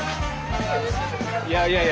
いやいやいや。